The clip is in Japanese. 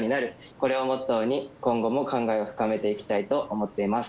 これをモットーに今後も考えを深めていきたいと思っています。